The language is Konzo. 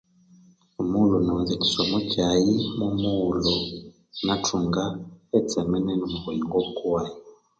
Omughulhu naghunza ekyisomo kyayi mwo mughulhu nathunga etsemenene omwa buyingo bukuwayi